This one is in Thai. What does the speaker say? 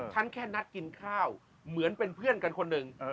ฉันแค่นัดกินข้าวเหมือนเป็นเพื่อนกันคนหนึ่ง